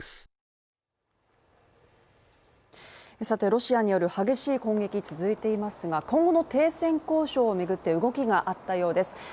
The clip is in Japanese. さてロシアによる激しい攻撃続いていますが今後の停戦交渉を巡って、動きがあったようです。